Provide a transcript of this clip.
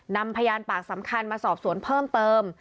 นำพยานปากสำคัญมาสอบสวนเพิ่มเติม